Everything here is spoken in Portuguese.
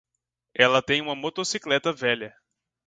Ela tem uma motocicleta velha.